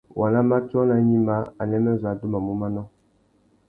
Waná matiō nà gnïmá, anêmê zu adumamú manô.